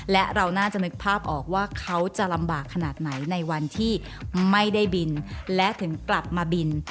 และเราน่าจะนึกภาพออกว่าเขาจะลำบากขนาดไหนในวันที่ไม่ได้บินและถึงกลับมาบิน